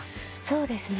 そうですね。